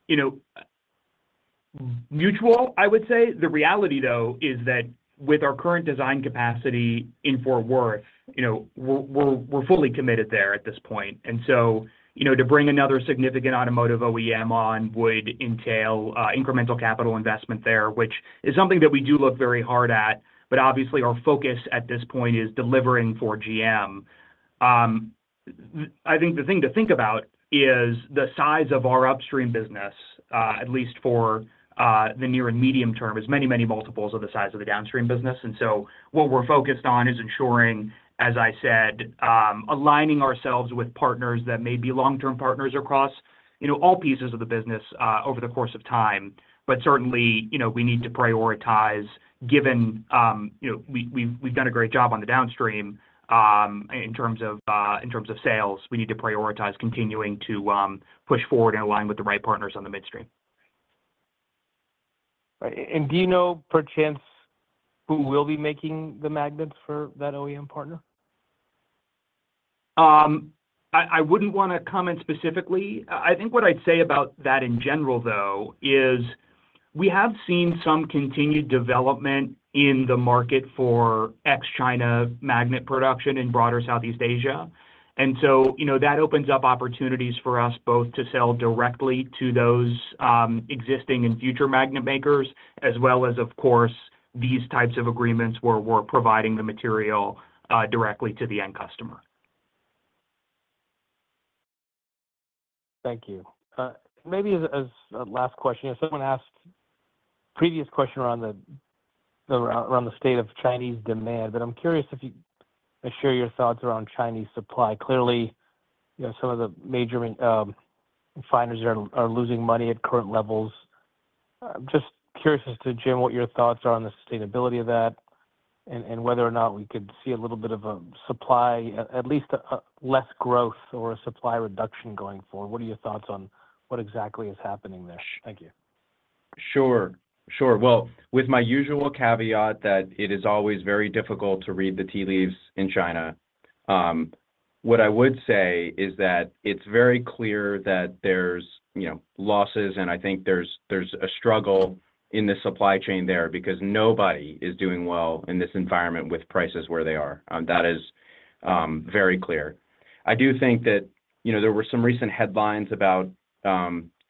you know, mutual, I would say. The reality, though, is that with our current design capacity in Fort Worth, you know, we're fully committed there at this point. And so, you know, to bring another significant automotive OEM on would entail incremental capital investment there, which is something that we do look very hard at, but obviously our focus at this point is delivering for GM. I think the thing to think about is the size of our Upstream business, at least for the near and medium term, is many, many multiples of the size of the downstream business. And so what we're focused on is ensuring, as I said, aligning ourselves with partners that may be long-term partners across. You know, all pieces of the business over the course of time. But certainly, you know, we need to prioritize, given you know, we've done a great job on the downstream in terms of sales. We need to prioritize continuing to push forward and align with the right partners on the midstream. Right. And do you know perchance who will be making the magnets for that OEM partner? I wouldn't wanna comment specifically. I think what I'd say about that in general, though, is we have seen some continued development in the market for ex-China magnet production in broader Southeast Asia. And so, you know, that opens up opportunities for us both to sell directly to those, existing and future magnet makers, as well as, of course, these types of agreements where we're providing the material, directly to the end customer. Thank you. Maybe as a last question, someone asked previous question around the state of Chinese demand. But I'm curious if you could share your thoughts around Chinese supply. Clearly, you know, some of the major refiners are losing money at current levels. I'm just curious as to, Jim, what your thoughts are on the sustainability of that, and whether or not we could see a little bit of a supply, at least a less growth or a supply reduction going forward. What are your thoughts on what exactly is happening there? Thank you. Sure, sure. Well, with my usual caveat that it is always very difficult to read the tea leaves in China, what I would say is that it's very clear that there's, you know, losses, and I think there's a struggle in the supply chain there. Because nobody is doing well in this environment with prices where they are, that is very clear. I do think that, you know, there were some recent headlines about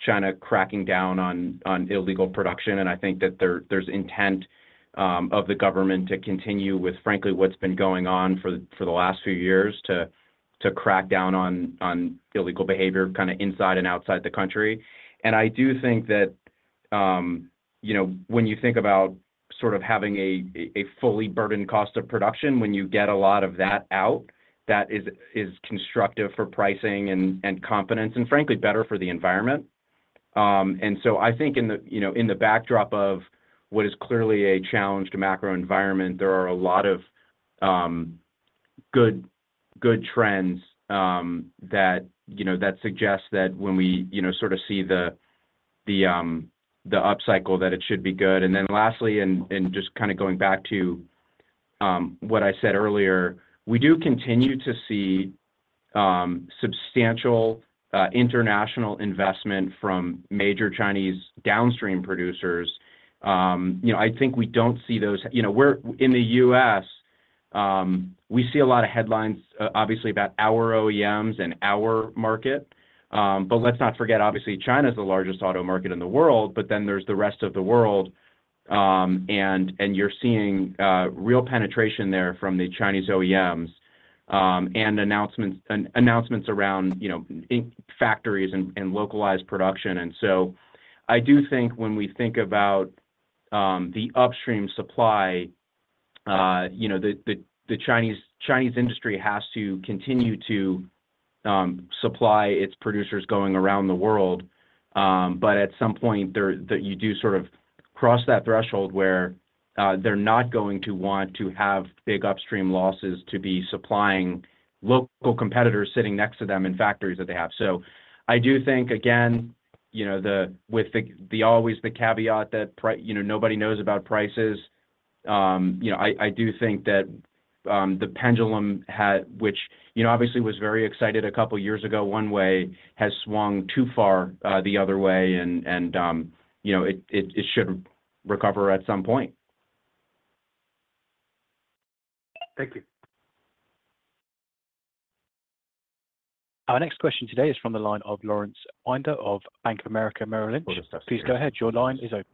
China cracking down on illegal production, and I think that there's intent of the government to continue with, frankly, what's been going on for the last few years, to crack down on illegal behavior, kind of inside and outside the country. And I do think that, you know, when you think about sort of having a fully burdened cost of production, when you get a lot of that out, that is constructive for pricing and confidence, and frankly, better for the environment. And so I think in the, you know, in the backdrop of what is clearly a challenged macro environment, there are a lot of good trends that, you know, that suggest that when we, you know, sort of see the upcycle, that it should be good. And then lastly, just kind of going back to what I said earlier, we do continue to see substantial international investment from major Chinese downstream producers. You know, I think we don't see those. You know, we're in the U.S., we see a lot of headlines, obviously, about our OEMs and our market, but let's not forget, obviously, China is the largest auto market in the world, but then there's the rest of the world. And you're seeing real penetration there from the Chinese OEMs, and announcements around, you know, EV factories and localized production. And so I do think when we think about the upstream supply, you know, the Chinese industry has to continue to supply its producers going around the world. But at some point there, that you do sort of cross that threshold where, they're not going to want to have big upstream losses to be supplying local competitors sitting next to them in factories that they have. So I do think, again, you know, the—with the, the always the caveat that—you know, nobody knows about prices, you know, I, I do think that, the pendulum had, which, you know, obviously was very excited a couple of years ago, one way, has swung too far, the other way, and, and, you know, it, it, it should recover at some point. Thank you. Our next question today is from the line of Lawson Winder of Bank of America, Merrill Lynch. Please go ahead. Your line is open.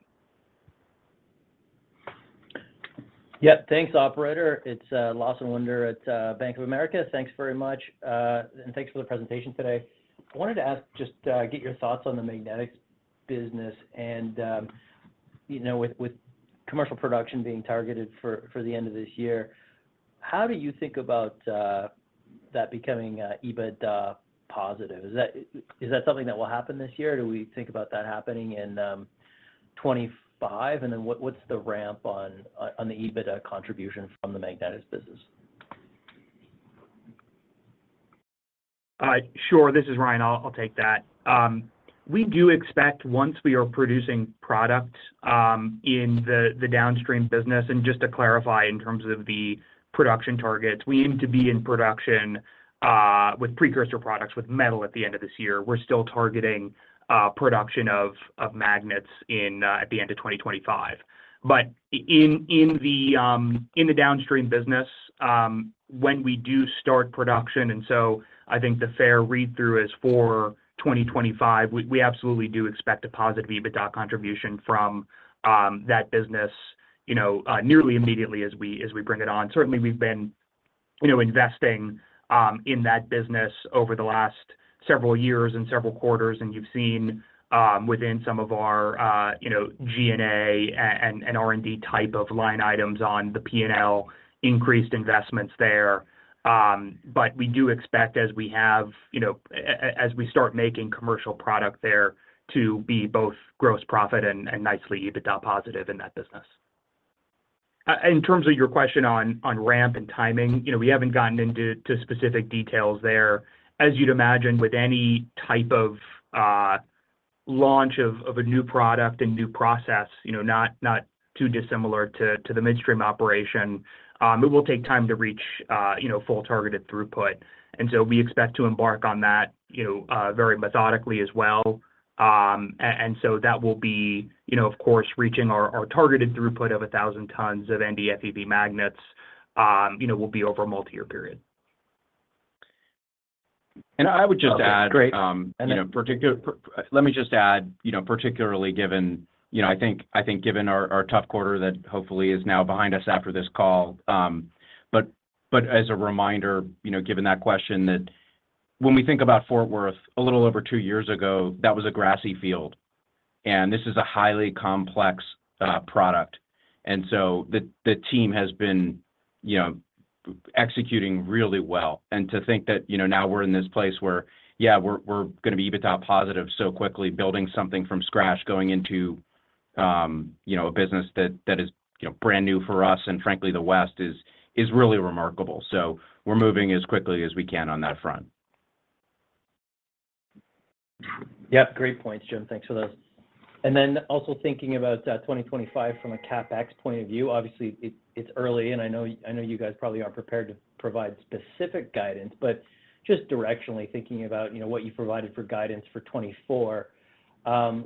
Yep. Thanks, operator. It's Lawson Winder at Bank of America. Thanks very much, and thanks for the presentation today. I wanted to ask, just get your thoughts on the magnetics business and, you know, with commercial production being targeted for the end of this year, how do you think about that becoming EBITDA positive? Is that something that will happen this year, or do we think about that happening in 2025? And then what's the ramp on the EBITDA contribution from the magnetics business? Sure. This is Ryan. I'll take that. We do expect once we are producing products in the downstream business. And just to clarify, in terms of the production targets, we aim to be in production with precursor products with metal at the end of this year. We're still targeting production of magnets at the end of 2025. But in the downstream business, when we do start production, and so I think the fair read-through is for 2025, we absolutely do expect a positive EBITDA contribution from that business, you know, nearly immediately as we bring it on. Certainly, we've been you know, investing in that business over the last several years and several quarters, and you've seen within some of our you know, G&A and R&D type of line items on the P&L increased investments there. But we do expect, as we have, you know, as we start making commercial product there, to be both gross profit and nicely EBITDA positive in that business. In terms of your question on ramp and timing, you know, we haven't gotten into specific details there. As you'd imagine, with any type of launch of a new product and new process, you know, not too dissimilar to the midstream operation, it will take time to reach, you know, full targeted throughput. And so we expect to embark on that, you know, very methodically as well. And so that will be, you know, of course, reaching our targeted throughput of 1,000 tons of NdFeB magnets, you know, will be over a multi-year period. And I would just add- Great, and then- You know, let me just add, you know, particularly given, you know, I think, I think given our tough quarter that hopefully is now behind us after this call, but as a reminder, you know, given that question that when we think about Fort Worth, a little over two years ago, that was a grassy field, and this is a highly complex product. And so the team has been, you know, executing really well. And to think that, you know, now we're in this place where, yeah, we're going to be EBITDA positive so quickly, building something from scratch, going into a business that is, you know, brand new for us and frankly, the West is really remarkable. So we're moving as quickly as we can on that front. Yep, great points, Jim. Thanks for those. And then also thinking about 2025 from a CapEx point of view, obviously, it's early, and I know you guys probably aren't prepared to provide specific guidance, but just directionally thinking about, you know, what you provided for guidance for 2024,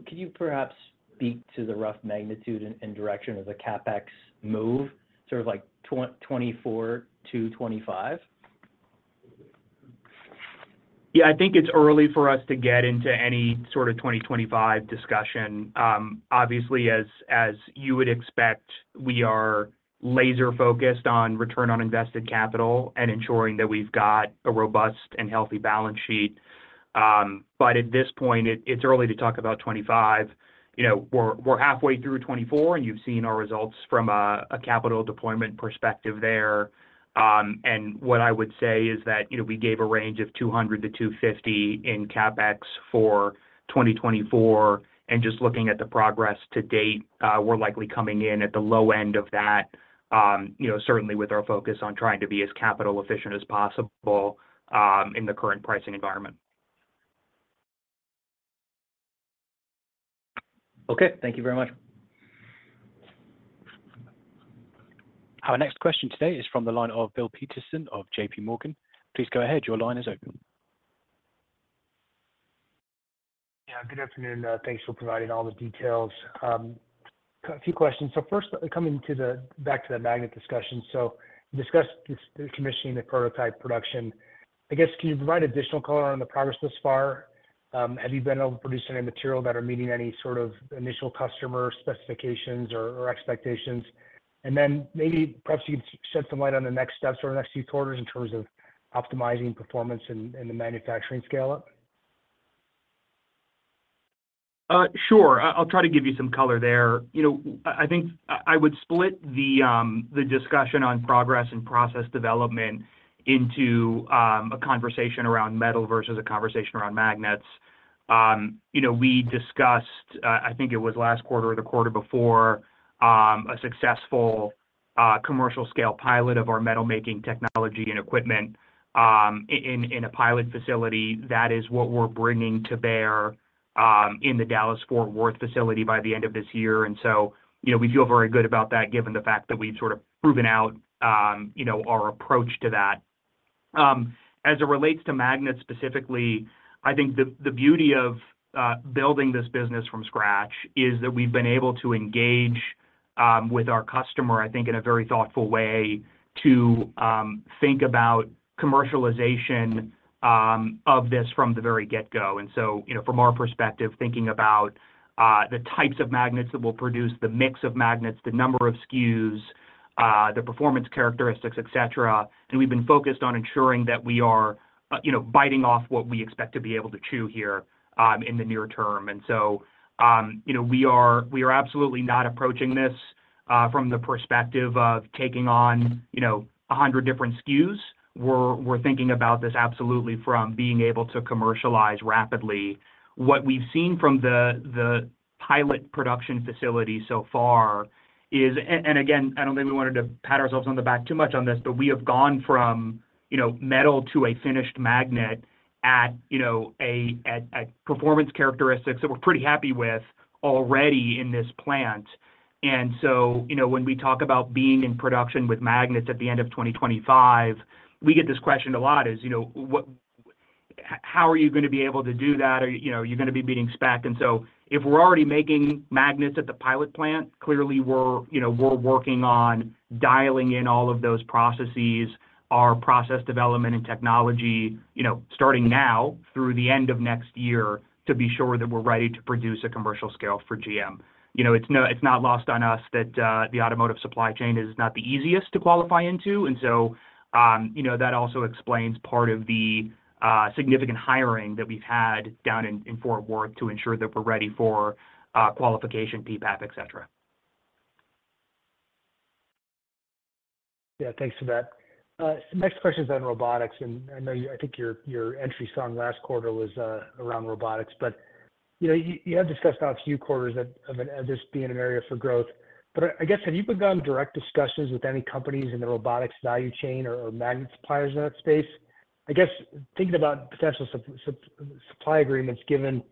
could you perhaps speak to the rough magnitude and direction of the CapEx move, sort of like 2024 to 2025? Yeah, I think it's early for us to get into any sort of 2025 discussion. Obviously, as you would expect, we are laser-focused on return on invested capital and ensuring that we've got a robust and healthy balance sheet. But at this point, it's early to talk about 2025. You know, we're halfway through 2024, and you've seen our results from a capital deployment perspective there. And what I would say is that, you know, we gave a range of $200-$250 in CapEx for 2024, and just looking at the progress to date, we're likely coming in at the low end of that, you know, certainly with our focus on trying to be as capital efficient as possible, in the current pricing environment. Okay, thank you very much. Our next question today is from the line of Bill Peterson of JP Morgan. Please go ahead. Your line is open. Yeah, good afternoon. Thanks for providing all the details. A few questions. So first, back to the magnet discussion. So you discussed the commissioning the prototype production. I guess, can you provide additional color on the progress thus far? Have you been able to produce any material that are meeting any sort of initial customer specifications or, or expectations? And then maybe perhaps you'd shed some light on the next steps or next few quarters in terms of optimizing performance and, and the manufacturing scale-up. Sure. I'll try to give you some color there. You know, I think I would split the discussion on progress and process development into a conversation around metal versus a conversation around magnets. You know, we discussed, I think it was last quarter or the quarter before, a successful commercial scale pilot of our metal-making technology and equipment in a pilot facility. That is what we're bringing to bear in the Dallas-Fort Worth facility by the end of this year. And so, you know, we feel very good about that, given the fact that we've sort of proven out, you know, our approach to that. As it relates to magnets specifically, I think the beauty of building this business from scratch is that we've been able to engage with our customer, I think, in a very thoughtful way to think about commercialization of this from the very get-go. And so, you know, from our perspective, thinking about the types of magnets that will produce, the mix of magnets, the number of SKUs, the performance characteristics, et cetera. And we've been focused on ensuring that we are, you know, biting off what we expect to be able to chew here in the near term. And so, you know, we are, we are absolutely not approaching this from the perspective of taking on, you know, 100 different SKUs. We're, we're thinking about this absolutely from being able to commercialize rapidly. What we've seen from the pilot production facility so far is-- and again, I don't think we wanted to pat ourselves on the back too much on this, but we have gone from, you know, metal to a finished magnet at, you know, at performance characteristics that we're pretty happy with already in this plant. And so, you know, when we talk about being in production with magnets at the end of 2025, we get this question a lot, is, you know, what-- how are you going to be able to do that? Are, you know, you're going to be beating spec? And so if we're already making magnets at the pilot plant, clearly we're, you know, we're working on dialing in all of those processes, our process development and technology, you know, starting now through the end of next year, to be sure that we're ready to produce a commercial scale for GM. You know, it's not lost on us that the automotive supply chain is not the easiest to qualify into. You know, that also explains part of the significant hiring that we've had down in Fort Worth to ensure that we're ready for qualification, PPAP, et cetera. Yeah, thanks for that. So next question is on robotics, and I know you—I think your entry song last quarter was around robotics. But you know, you have discussed now a few quarters that of this being an area for growth. But I guess, have you begun direct discussions with any companies in the robotics value chain or magnet suppliers in that space? I guess thinking about potential supply agreements, given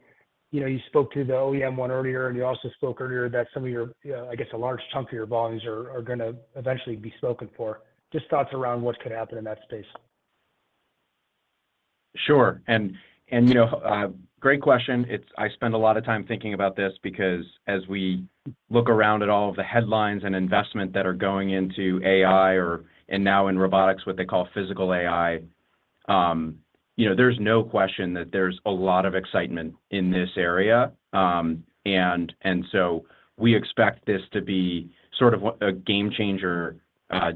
you know, you spoke to the OEM one earlier, and you also spoke earlier that some of your, I guess, a large chunk of your volumes are gonna eventually be spoken for. Just thoughts around what could happen in that space. Sure. And, and, you know, great question. It's. I spend a lot of time thinking about this because as we look around at all of the headlines and investment that are going into AI or, and now in robotics, what they call physical AI, you know, there's no question that there's a lot of excitement in this area. And, and so we expect this to be sort of what. A game changer,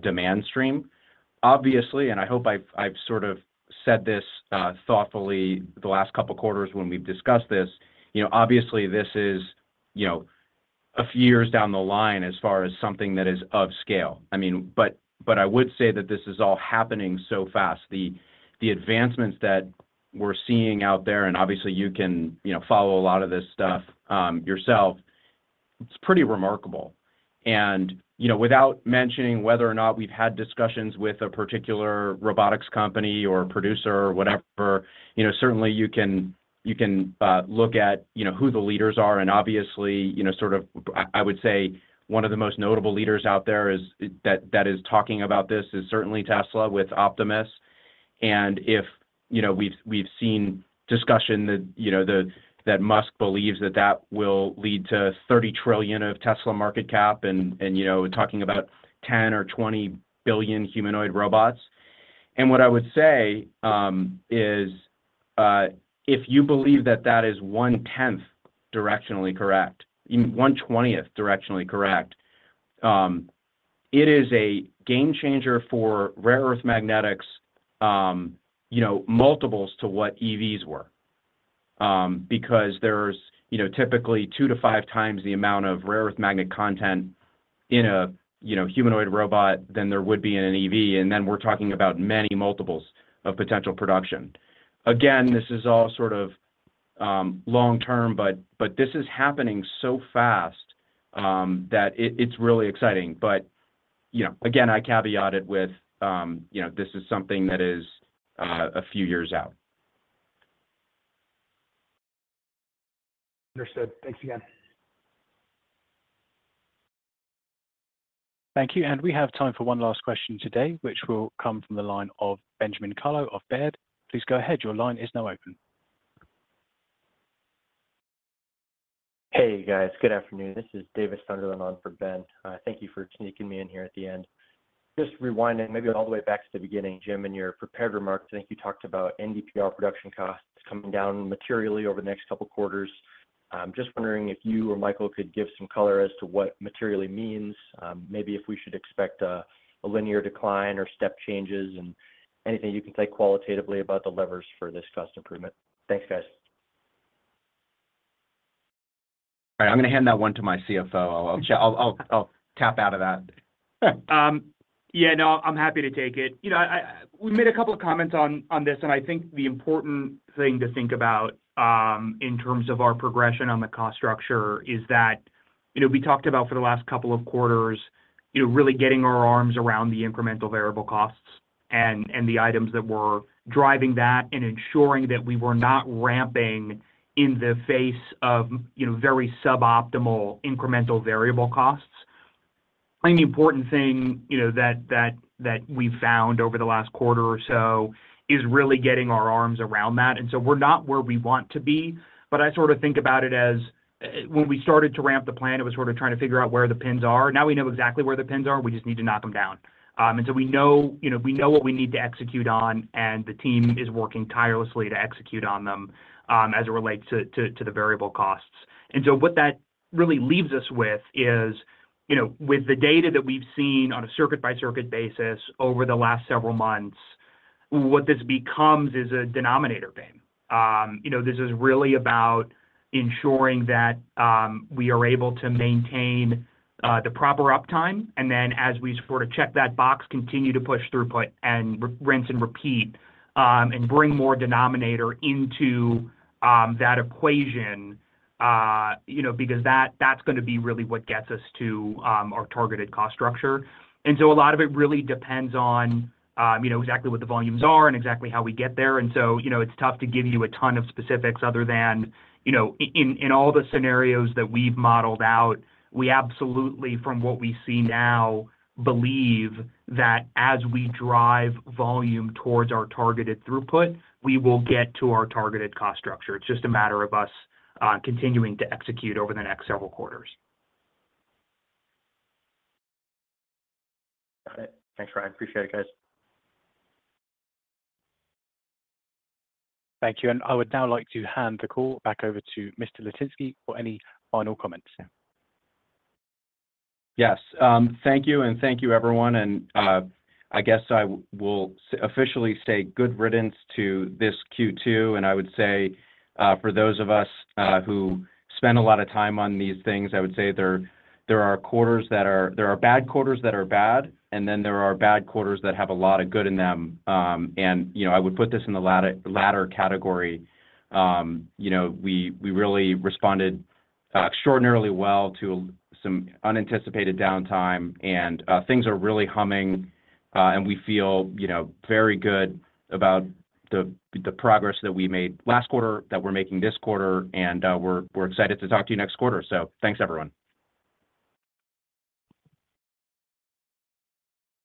demand stream. Obviously, and I hope I've, I've sort of said this, thoughtfully the last couple quarters when we've discussed this, you know, obviously this is, you know, a few years down the line as far as something that is of scale. I mean, but, but I would say that this is all happening so fast. The advancements that we're seeing out there, and obviously you can, you know, follow a lot of this stuff yourself, it's pretty remarkable. And, you know, without mentioning whether or not we've had discussions with a particular robotics company or producer or whatever, you know, certainly you can, you can look at, you know, who the leaders are. And obviously, you know, sort of, I would say one of the most notable leaders out there is that is talking about this is certainly Tesla with Optimus. And, you know, we've seen discussion that, you know, that Musk believes that that will lead to $30 trillion of Tesla market cap and, and, you know, talking about 10 or 20 billion humanoid robots. And what I would say is if you believe that that is 1/10 directionally correct, 1/20 directionally correct, it is a game changer for rare earth magnetics, you know, multiples to what EVs were. Because there's, you know, typically 2-5 times the amount of rare earth magnet content in a, you know, humanoid robot than there would be in an EV, and then we're talking about many multiples of potential production. Again, this is all sort of long term, but this is happening so fast that it, it's really exciting. But, you know, again, I caveat it with you know, this is something that is a few years out. Understood. Thanks again. Thank you, and we have time for one last question today, which will come from the line of Benjamin Kallo of Baird. Please go ahead. Your line is now open. Hey, guys. Good afternoon. This is David Sunderland on for Ben. Thank you for sneaking me in here at the end. Just rewinding, maybe all the way back to the beginning, Jim, in your prepared remarks, I think you talked about NdPr production costs coming down materially over the next couple quarters. Just wondering if you or Michael could give some color as to what materially means, maybe if we should expect a linear decline or step changes, and anything you can say qualitatively about the levers for this cost improvement. Thanks, guys. I'm gonna hand that one to my CFO. I'll tap out of that. Yeah, no, I'm happy to take it. You know, I. We made a couple of comments on, on this, and I think the important thing to think about, in terms of our progression on the cost structure is that, you know, we talked about for the last couple of quarters, you know, really getting our arms around the incremental variable costs and, and the items that were driving that and ensuring that we were not ramping in the face of, you know, very suboptimal incremental variable costs. I think the important thing, you know, that we found over the last quarter or so is really getting our arms around that, and so we're not where we want to be. But I sort of think about it as, when we started to ramp the plan, it was sort of trying to figure out where the pins are. Now we know exactly where the pins are, we just need to knock them down. And so we know, you know, we know what we need to execute on, and the team is working tirelessly to execute on them, as it relates to the variable costs. And so what that really leaves us with is, you know, with the data that we've seen on a circuit-by-circuit basis over the last several months, what this becomes is a denominator game. You know, this is really about ensuring that we are able to maintain the proper uptime, and then as we sort of check that box, continue to push throughput and rinse and repeat, and bring more denominator into that equation. You know, because that, that's gonna be really what gets us to our targeted cost structure. And so a lot of it really depends on you know, exactly what the volumes are and exactly how we get there. And so, you know, it's tough to give you a ton of specifics other than, you know, in all the scenarios that we've modeled out, we absolutely, from what we see now, believe that as we drive volume towards our targeted throughput, we will get to our targeted cost structure. It's just a matter of us continuing to execute over the next several quarters. Got it. Thanks, Ryan. Appreciate it, guys. Thank you, and I would now like to hand the call back over to Mr. Litinsky for any final comments. Yes, thank you, and thank you, everyone. I guess I will officially say good riddance to this Q2. I would say, for those of us who spend a lot of time on these things, I would say there are quarters that are bad quarters that are bad, and then there are bad quarters that have a lot of good in them. You know, I would put this in the latter category. You know, we really responded extraordinarily well to some unanticipated downtime, and things are really humming, and we feel you know very good about the progress that we made last quarter, that we're making this quarter, and we're excited to talk to you next quarter. So thanks, everyone.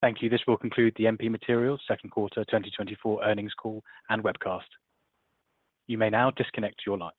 Thank you. This will conclude the MP Materials Q2 2024 earnings call and webcast. You may now disconnect your lines.